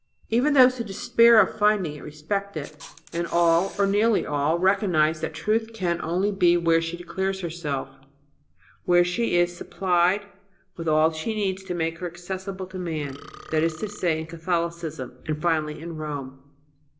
Even those who despair of finding it respect it. And all, or nearly all, recognize that truth can only be where she declares herself, where she is supplied with all she needs to make her accessible to man, that is to say, in Catholicism, and finally in Rome."